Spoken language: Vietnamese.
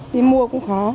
đi mua cũng khó